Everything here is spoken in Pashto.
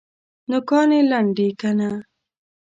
نوکان یې لنډ دي که نه؟